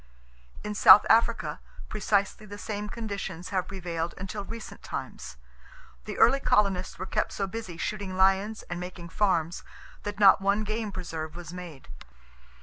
In South Africa, precisely the same conditions have prevailed until recent times. The early colonists were kept so busy shooting lions and making farms that not one game preserve was made.